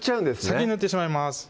先に塗ってしまいます